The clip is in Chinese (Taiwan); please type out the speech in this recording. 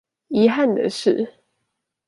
遺憾的是